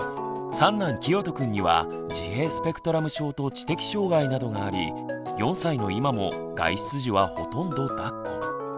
三男きよとくんには自閉スペクトラム症と知的障害などがあり４歳の今も外出時はほとんどだっこ。